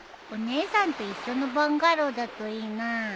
お姉さんと一緒のバンガローだといいな。